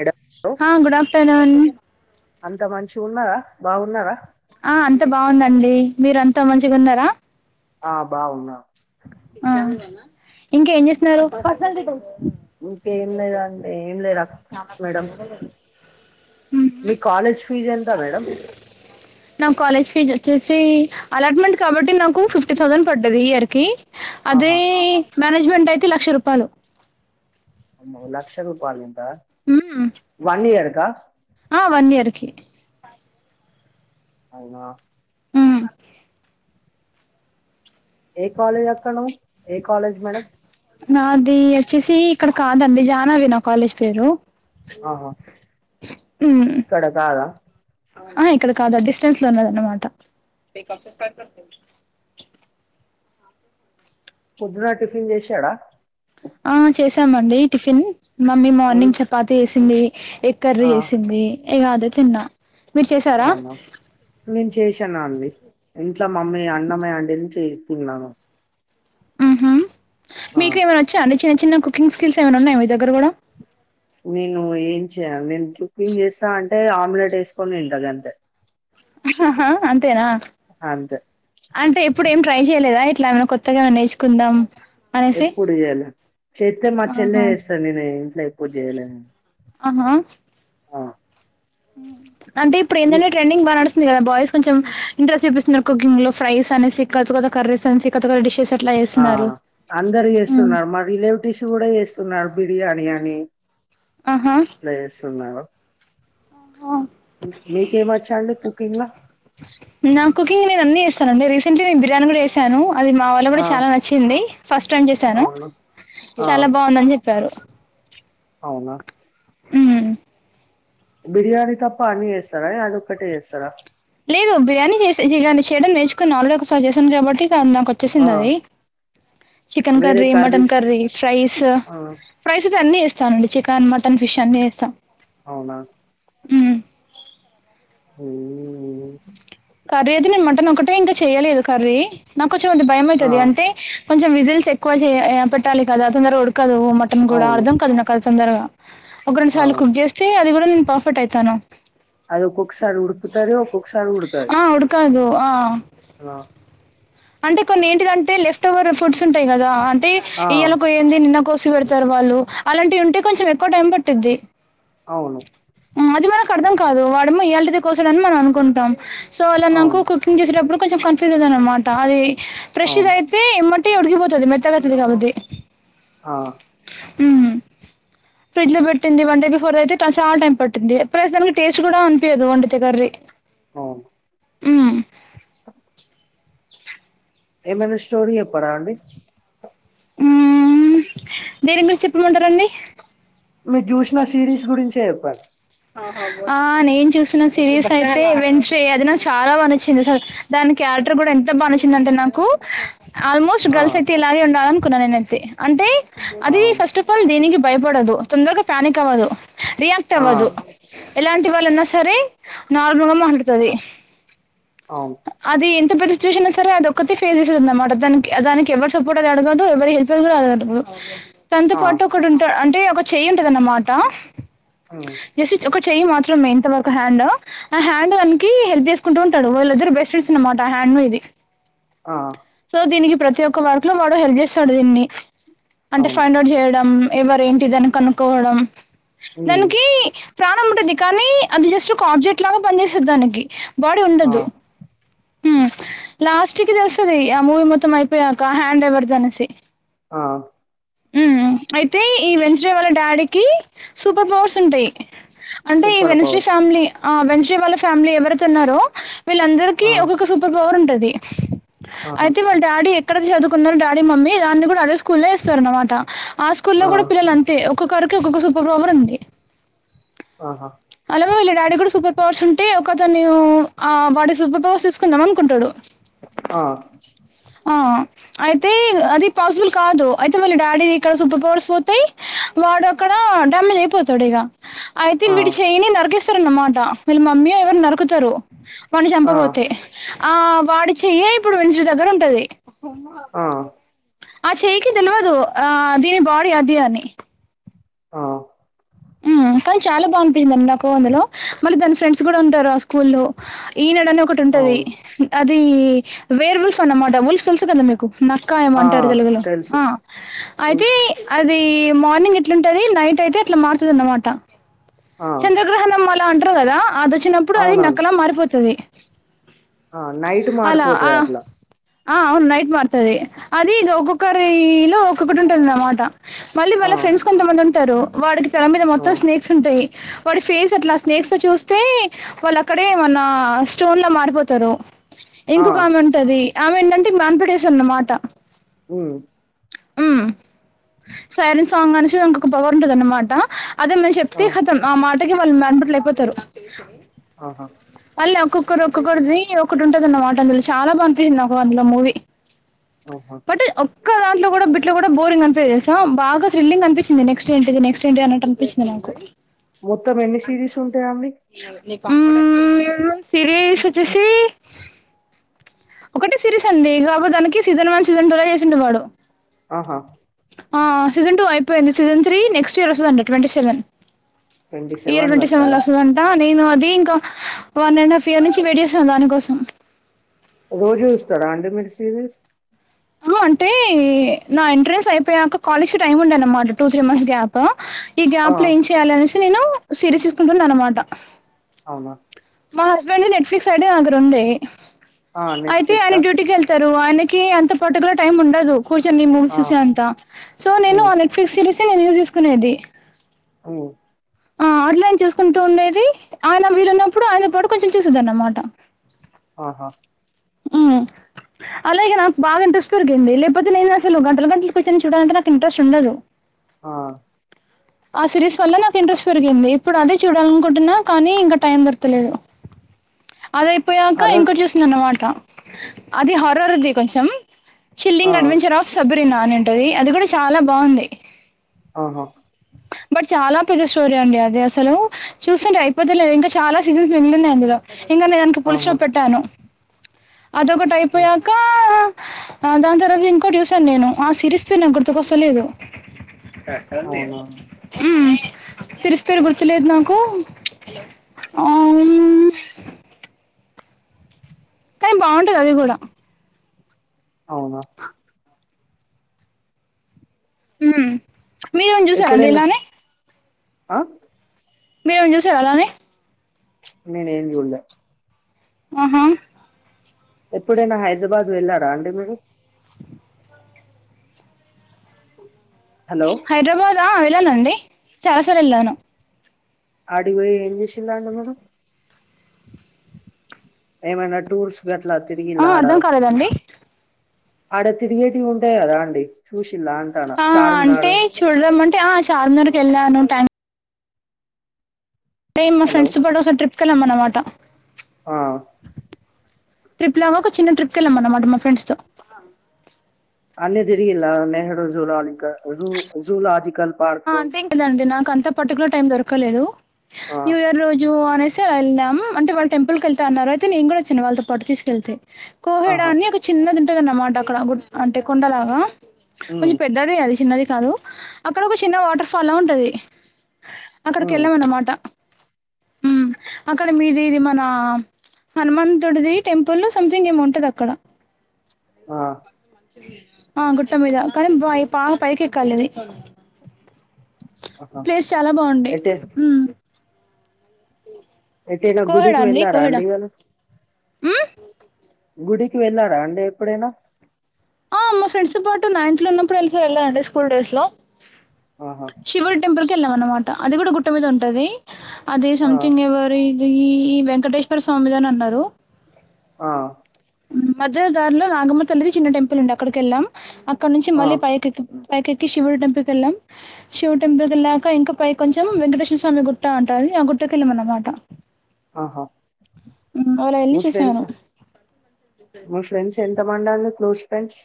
Madam hello హా good afternoon. అంత మంచిగున్నదా, బాగున్నరా? బాగుందండి అండి. మీరు అంత మంచిగా ఉన్నరా? ఆ బాగున్నా. ఆ ఇంకా ఏం చేస్తున్నారు? ఇంకేం లేదండి. ఏం లేదు అ మేడం. మ్మ్. మీ కాలేజ్ ఫీజ్ ఎంత మేడం? నాకు కాలేజ్ ఫీజ్ వచ్చేసి అలాట్మెంట్ కాబట్టి నాకు ఫిఫ్టీ థౌజండ్ పడ్డది ఇయర్ కి. అదే ఆహా మేనేజ్మెంట్ అయితే లక్ష రూపాయలు. అమ్మో లక్ష రూపాలు. మ్మ్ వన్ ఇయర్కా ఆ వన్ ఇయర్ కి అవునా ఉ ఏ కాలేజ్ అక్క నువ్వు? ఏ కాలేజ్ మేడం? నాది అచ్చేసి ఇక్కడ కాదండి. జానావి నా కాలేజ్ పేరు. ఆహా ఉ ఇక్కడ కాదా ఆహా ఇక్కడ కాదు అది డిస్ స్టన్స్ లో ఉన్నది అన్నమాట. పొద్దున టిఫిన్ చేశాడా. ఆ చేసామండి టిఫిన్. మమ్మీ ఏం మార్నింగ్ చపాతి చేసింది. ఎగ్ కర్రీ ఆ, చేసింది ఇగ అదే తిన్నా. మీరు చేసారా అవునా మేం చేశి తిన్నా అండి. ఇంట్లో మమ్మీ అన్నమే అండింది తిన్నాను. ఉహ్ ఆ, మీకు ఏమైనా వచ్చా అండి చిన్న చిన్న కుకింగ్ స్కిల్స్ ఏమన్నా ఉన్నయా మీ దగ్గర కూడా. నేను ఏం చేయా, నేను కుకింగ్ చేస్తా అంటే ఆమ్లెట్ ఏసుకొని తింటా గంతే. అంతేనా అంతే అంటే ఎప్పుడు ఏం ట్రై చేయలేదా ఎ ఇట్లా ఎమన్నా కొత్తగా నేర్చుకుందాం. అనేసి ఎప్పుడు చేయ్యలే చేత్తె మా చెల్లె ఆహా చేస్తది నేనేం ఇంట్ల ఎప్పుడు చేయలేదండి. ఆహా ఉ అంటే ఇప్పుడెందంటే ఇ- ట్రెండింగ్ బా నడుస్ ఉందిగదా బాయిస్ కొంచెం ఇంట్రెస్ట్ చూపిస్తుందనుకో కుకింగ్ లో ఫ్రైస్ అనేసి కొత్త కొత్త కర్రీసనేసి కొత్త కొత్త డిషెస్ అట్లా ఆ చేస్తున్నారు అందరు హ్మ్ చేస్తున్నారు మా రిలేవ్టివ్స్ కూడా చేస్తున్నారు బిర్యానీ అని ఆహా ప్లేస్ ఉన్నవా మీకేమచ్చండి కుకింగ్ ల నా కుకింగ్ నేనన్ని చేస్తానండి రీసెంట్లీ నేన్ బిర్యానీ కూడా చేసాను అది మా వాళ్ళక్ కూడా ఆ చాలా నచ్చింది ఫస్ట్ టైం చేశాను అవును ఆ చాలా బాగుందన్ చెప్పారు అవునా ఉ బిర్యానీ తప్ప అన్ని జేస్తారా ఎ అదొక్కటే జేస్తారా లేదు బిర్యానీ చేసి బిర్యానీ చేయడం నేర్చుకున్న ఆల్రేడి ఒకసారి చేశాను కాబట్టి ఆ ఆ నాకోచ్చేసిందది చికెన్ వేరే curry mutton curries curry fries ఆ ఫ్రైస్ అన్ని ఇస్తానండి చికెన్ మటన్ ఫిష్ అన్ని చేస్తా అవునా ఉ వెల్డింగ్ తీనేష్ కర్రీ అయితే నేన్ మటనోకటే ఇంకా చెయ్యలేదు కర్రీ నాకు కొంచం అది ఆ భయమయితది అంటే కొంచెం విజిల్స్ ఎక్కువ చే ఏ పెట్టాలి కదా తొందరగా ఉడకదు మటన్ కూడా అవును అర్ధం కాద్ నాకది తొందరగా ఒక రెండు సార్లు అవును కుక్ చేస్తే అది కూడా నేన్ పర్ఫెక్ట్ అయితాను అది ఒక్కొక్కసారి ఉడ్కుతది ఒక్కొక్కసార్ ఆ ఉడ్కదు ఆ ఆ అంటే కొన్ని ఏంటిదంటే లెఫ్ట్ ఓవర్ ఫుడ్స్ ఉంటాయి గదా అంట్ టి ఆ, ఈయాల కోయంది నిన్న కోసి పెడతారు వాళ్ళు అలాంటివి ఉంటే కొంచెం ఎక్కువ టైం పట్టిద్ది అవును ఆ అది మనకర్థం కాదు వాడేమొ ఇయల్టిదే కోసాడని మనం అనుకుంటాం సో అల నాకు అవును కుకింగ్ చేసేటప్పుడు కొంచెం కన్ఫ్యూజ్ ఉందన్నమాట అది ప్రెషర్ అవును అయితే మట్ ఉట్టిగ ఉడుగిపోతది మెత్తగయితది కాబట్టి ఆ ఉ ఫ్రిడ్జ్ లో పెట్టింది వంటకి ఫర్ అయితే టైం చాల్ టైం పట్టింది ప్లెస్ దానికి టేస్ట్ కూడా అనిపియదు వండితే కర్రి అవును ఉ [unintelligible] ఏమన్నా స్టోరీ చెప్పరా అండి ఉ దేని మీద్ చెప్పుమంటరండి మీరు జూసిన సిరీస్ గురించే చెప్పండ్ ఆ నేన్ చూసిన సిరీస్ అయితే వెంట్స్ డే అదినాక్ చాలా బాగా నచ్చింది సర్ దానికేన్ క్యారెక్టర్ కూడా ఎంత బా నచ్చిందంటే నాకు ఆల్మోస్ట్ ఆ గల్స్ అయితే ఇలాగే ఉండాలనుకున్నా నేనైతే అంటే ఆ అది ఫస్ట్ ఆఫ్ ఆల్ దేనికి భయపడదు తొందరగా ప్యానిక్ అవ్వదు ఆ రియాక్టవ్వదు ఎలాంటి వాళ్ళున్నా సరే నాలుగు రోజులు పండుతది అవును అది ఎం ఎంత పెద్ద సిచ్యుషన్ అయిన సరే అదోక్కతే ఫేస్ చేసేదన్నమాట దానికి దానికి ఎవర్ సపోర్ట్ అది అడగదు ఎవరి హెల్పర్ కూడా అడగదు తనతో ఆ పాటు ఒకడుంటాడ్ అంటే ఒక చేయ్యుంటదన్నమాట ఉ ఒక చెయ్యి మాత్రమే ఇంత వరకు హ్యాండ్ ఆ హ్యాండ్ అన్కి హెల్ప్ చేసుకుంటూ ఉంటాడు వాళ్ళిద్దరు బెస్ట్ ఫ్రెండ్స్ అన్నమాట దా హ్యాండ్ ఇది ఆ సో దీనికి ప్రతి ఒక్క వర్క్ లో వాడు హెల్ప్ చేస్తాడు దీన్ని అంటే అవును ఫైండ్ అవుట్ చేయడం ఎవరు ఏంటిదని కనుక్కోవడం ఉమ్ దానికి ప్రాణం ఉంటది కానీ అది జస్ట్ ఒక ఆబ్జెక్ట్ లాగా పని చేసేది దానికి బాడి ఆ ఉండదు హ్మ్ లాస్ట్కి తెల్సతది ఆ మూవి మొత్తం అయిపోయాక హ్యాండ్ ఎవర్ ది అనేసి ఆ అయితే ఈ వెడ్నెస్డే వాళ్ళ డాడీకి సూపర్ పవర్స్ ఉంటాయి అంటే ఈ సూపర్ వెన్స్డే పవర్స్ ఫ్యామిలీ ఆ వెన్స్డే వాళ్ళ ఫ్యామిలీ ఎవరైతే ఉన్నారో వీళ్ళందరికీ ఆ ఒక్కొక్క సూపర్ పవర్ ఉంటది ఆహా అయితే వాళ్ళ డాడీ అక్కడ చదువుకున్నారు డాడీ మమ్మీ దాన్ని కూడా అదే స్కూల్ల్లో వేస్తారు అనమాట ఆ స్కూలో కూడా పిల్లలు అంతే ఒక్కొక్కారికి ఒక్కొక్క సూపర్ పవర్ ఉంది ఆహా అలామ వెల్ల డాడీ కూడా సూపర్ పవర్స్ ఉం అంటే ఒకతన్ని ఆ బాడీ సూపర్ పవర్స్ తీసుకుందాం అనుకుంటాడు ఆ ఆ అయితే అది పాసిబుల్ కాదు అయితే మళ్ళీ డాడీ ఇక్కడ సూపర్ పవర్స్ పోతాయి వాడు అక్కడ డమ్మల్ అయిపోతాడు ఇక అయితే ఆ వీడు చేయని నరికిస్తారు అన్నమాట వీళ్ళ మమ్మీ ఓ ఎవరనో ఎక్కుతారు వాని ఆ చంపబోతే ఆ వాడి చెయ్యే ఇప్పుడు వెడ్నెస్డే దగ్గర ఉంటది ఆ ఆ చెయ్యకి తెలవదు ఆ దీని బాడీ అది అని ఆ కానీ చాలా బాగు అనిపించిందండి నాకు అందులో మళ్ళీ దాని ఫ్రెండ్స్ కూడా ఉంటారు ఆ స్కూల్ల్లో ఈనాడ అని ఒకటి ఉంటది అవును అది వేర్ ఉల్ఫ్ అన్నమాట ఉల్ఫ తెలుసు కదా మీకు నక్కా ఆ ఏమమంటారు తెలుగులో తెలుసు ఆ అయితే ఉష్ అది మార్నింగ్ ఎట్లాంటది నైట్ అయితే అట్లా మారుతది అనమాట ఆ చంద్రగ్రహణం అలా కదా అది వచ్చినప్పుడు అది అవునవును నక్కలా మారిపోతది ఆ నైట్ అలా ఆ మారిపోతది అట్లా ఆ అవును నైట్ మారుతుది అదది ఇది ఒక్కొక్కరి లో ఒక్కొక్కటి ఉంటుంది అన్నమాట మళ్ళీ ఆ వాళ్ళ ఫ్రెండ్స్ కొంతమంది ఉంటారు వాడికి తల మీద ఆ మొత్తం స్నేక్స్ ఉంటాయి వాడి ఫేస్ అట్లా స్నేక్స్ చూస్తే వాళ్ళు అక్కడే ఏమన్నా స్టోన్ లా మారిపోతారు ఆ ఇంకొక ఆమె ఉంటది ఆమె ఏంటంటే మాన్పటేేశన్నమాట హ్మ్ మ్మ్ సైరన్ సాంగ్ంచి ఇంకొక్క పోవారు ఉంటదన్నమాట అదే మము ఆ చెప్తే కతం ఆ మాటకి వాళ్ళు మెంబర్లు అయిపోతారు ఆహా మళ్ళీ ఒక్కొక్కరు ఒక్కొక్కరిది ఒకటి ఉంటంది అన్నమాట అందులో చాలా బా అనిపిచింది నాకు అందులో మూవీ ఆహా ఇ దాంట్ కూడా బిట్ కూడా బోరింగ్ అనిపియదు తెలుసా బాగా థ్రిల్లింగ్ అనిపించింది నెక్ట్ంటిది నెక్స్ట్ ఏంటంటి అనట్టు అనిపించింది నాకు మొత్తం ఎన్ని సిరీస్ ఉంటాయి అండి హ్మ్ ఆ సిరీస్ వచ్చేసి ఒకటే సిరీస్ అండి కాబటి దానికి సీజన్ వన్ సీజన్ టూలా చేసిండు వాడు ఆ ఆ సీజన్ టూ అయిపోయింది సీజన్ త్రీ నెక్స్ట్ ఇయర్ వస్తుందంట ట్వంటీ సెవెన్ ట్వంటీ ఏర సెవెన్ లో వంటి సంలో వస్తదా వస్తుందంటా నేను అది ఇంకా వన్ అండ్ హాఫ్ ఇయర్ నుంచి వేడిచేస్తున్నా దానికోసం రోజు జుస్తడా అండి మీర్ సీరీస్ ఆ అంటే నా ఎంట్రెన్స్ ఐపయాక కాలేజ్ కీ టైమ్ ఉండే అన్ మాట టూ త్రీ మంత్స్ గ్యాపు ఈ ఆ గ్యాప్ లో ఏం చేయాలనేస్ నేను సీరిస్ సీసుకుంటున్నా అనమాట ఔనా మా హస్బెండ్ నెట్ ఫిక్స్ సైడే నాగరుండే ఆ అయితే ఆయన నెట్ఫ్లిక్సా డ్యూటీకేళ్ తర్ దూవానికి అంత పర్టుకూలర్ టైమ్ ఉండదు కోశేనీ మూవీ ఆ సుసేంత సో నేను ఉమ్ ఆ నెట్ ఫీ సిరీస్ చే నేన్ యూజు జుసుకునేది ఉమ్ ఆ అట్లాని చుసుకుంటూ ఉండేది ఆయన వీలున్నప్పుడు ఆయన పాటు కొంచె చూసేద్దా అన్నమాట ఆహా మ్మ్ అలాగే నాక్ బా ఇంట్రెస్ట్ పెరిగేంది లేపోతే నేన్ అస్సలు గంటల్ గంటలు కుచ్చోని చూడలంటే నాక్ ఇంట్రెస్ట్ ఉండదు ఆ ఆ సిరీస్ వల్ల నాక్ ఇంట్రెస్ట్ పెరిగింది ఇప్పుడు అదే చూడాలనుకుంటున్నా కానీ ఇంకా టైం దోర్ తేలేదు అ దైపోయాక హర్రర్ ఇంకో జుస్ నన్నమాట అది హరర్ది కొంచమ్ ఆ చిల్లింగ్ అడ్వెంచర్ ఆఫ్ సబరినా అనిఉంటది అది కూడా చాలా బాఉంది ఆహా పెద్ద స్టోరీ అండి అది అస్సలు చూస్తుంటే అయిపోతేలేదు ఇంకా చాలా సీజన్స్ మిగిలున్నాయి అందులో ఇంగ నేన్ ఆన్కి పూలు ఆహా స్టాప్ పెట్టాను అదొకటి ఉమ్, ఐపోయాక ఆ దాన్ తరువాత ఇంకోట్ జుసాన్ నేను ఆ సిరీస్ పే నాక్ గుర్తుకొస్తలేదు యాటుంది అవునా ఉమ్ సిరిస్ పేర్ గుర్తులేదు నాకు హలో ఔను కానీ బాఉంటది అది గుడా ఔనా ఉమ్ మీర్ గాన్ చూసారండి ఎప్పుడైనా ఇలానే ఆ మీర్ ఎమ్ జూసారా అలానే చ్ నేన్ ఎమ్ జూడ్ లే ఆహా ఎప్పుడైనా హైద్రాబాద్ వెళ్ళరా అండి మీరు హలో హైడ్రాబాద్ ఆ ఏళ్ళలండి చాలా సార్లు ఏళ్ళాను అడిబోయ్ ఎం జెశిందాండ మనం ఏమైనా టూర్స్ గట్లా ఆ తిరిగిల్ల ఆడా అర్థం కాలేదండి ఆడ తిరిగేటివి ఉంటాయ్ కదా అండి చూష్ ఆ అ అంటే చూడ్రామంటే ఆ చార్మీ నార్క్ ఎళ్ళాను ట్యాంక్ యే మా హలో ఫ్రెండ్స్ పాటు ఓ సార్ ట్రిప్క్ కేళ్ళా మనమాట ఆ ట్రిప్ లాగా ఒక చిన్న ట్రిప్ కేళ్ళ మన్మాట మా ఫ్రెండ్స్ తో అన్ని దిరిగిల్లా నెహ్రూ జూలాలీక జూ జూలాజికల్ పార్క్ అంతెంకీ లేదండి నాకు అంత పర్టికులర్ టైం దొరకలేదు న్యూయర్ రోజు అనేసి ఎల్నమ్ అంటే వాళ్ టెంపుల్ కేళ్త అన్నారు అయితే నేన్ గూడా ఓచ్చిన వాళ్ళతో పాటు తీస్ కెళ్తే కోహెడా ఆహా అని ఒక చిన్నదుంటదనమాట అక్కడ గుట్ అంటే కొండలాగా ఉమ్, కొంచెం పెద్దదే అది చిన్నది కాదు, అక్కడ ఒక చిన్న వాటర్ ఫాల్లా ఉంటది. అక్కడికి ఉమ్, ఎళ్ళామన్నమాట. అక్కడ మీది ఇది మన హనుమంతుడిది టెంపులు సంథింగ్ ఏమో ఉంటది అక్కడ. ఆ ఆ గుట్ట మీదా కానీ బై పా పైకి ఎక్కాలిది. ఆహా. ప్లేస్ చాలా బాగుండే ఎటే ఉమ్. ఎటైనా గుడికి వెళ్ళారా అండి ఇవాళ? ఉమ్ గుడికి వెళ్ళాడా అండి ఎప్పుడైనా? ఆ మా ఫ్రెండ్స్ తో పాటు నైన్త్ లో ఉన్నప్పుడే ఎలిస వెళ్ళనండి స్కూల్ డేస్ లో. ఆహా శివుడి టెంపుల్ కి ఎళ్ళాం అన్నమాట, అది గుడ గుట్ట మీద ఉంటది. అదే ఆ, సథింగ్ ఎవరీది ఈ వెంకటేశ్వర స్వామిదని అన్నరు. ఆ మధ్యల దారిలో నాగమ్మ తల్లిది చిన్న టెంపుల్ ఉండే అక్కడికి ఎళ్లాం, అక్కడ నుంచి ఆ, మళ్ళీ పైకి పైకి ఎక్కి శివుడు టెంపుల్ కెళ్ళాం, శివుడు టెంపుల్ కెళ్ళాక ఇంకా పై కొంచం వెంకటేశ్వర స్వామి గుట్ట అంటా అది ది ఆ గుట్ట కెళ్ళామన్నమాట ఆహా అలా ఎల్లి మీ చూసాను. ఫ్రెండ్స్ మీ ఫ్రెండ్స్ ఎంత మందాళ్ళు క్లోజ్ ఫ్రెండ్స్?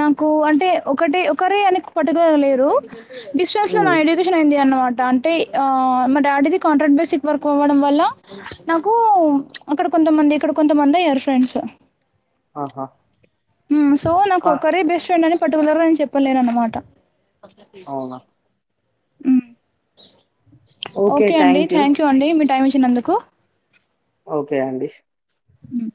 నాకు అంటే ఒకటి ఒకరే అని పర్టికులర్ గా లేరు. డిస్టెన్స్ లో నా ఎడ్యుకేషన్ అయింది అన్నవ డా అంటే ఆ మా డాడీ ది కాంట్రాక్ట్ బేసిక్ వర్క్ అవ్వడం వల్ల, నాకు అక్కడ కొత్త కొంతమంది ఇక్కడ కొంతమంది అయ్యారు ఫ్రెండ్స్. ఆహా ఉమ్ సో నాకు కా ఒకరే బెస్ట్ ఫ్రెండ్ అని పర్టికులర్ గా ఏం చెప్పలేనన్నమాట. అవునా ఉమ్ ఓకే అండి థ్యాంక్ యూ అండి, మీ టైం ఇచ్చినందుకు. ఓకే అండి. ఉమ్